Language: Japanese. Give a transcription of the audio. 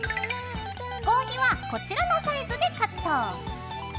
合皮はこちらのサイズでカット。